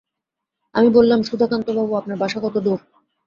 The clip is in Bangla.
আমি বললাম, সুধাকান্তবাবু, আপনার বাসা কত দূর?